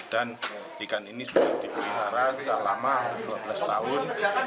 dan ikan ini sudah diperihara sudah lama dua belas tahun